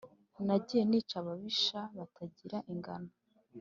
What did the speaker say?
nagiye nica ababisha batagira ingano